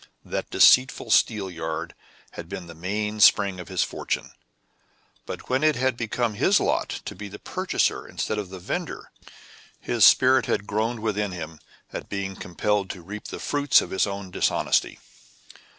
That deceitful steelyard had been the mainspring of his fortune. But when it had become his lot to be the purchaser instead of the vendor, his spirit had groaned within him at being compelled to reap the fruits of his own dishonesty.